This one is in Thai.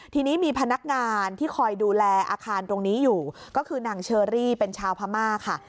ทีนี้มีพนักงานที่คอยดูแลอาคารตรงนี้อยู่ก็คือนางเชอรี่เป็นชาวพม่าค่ะ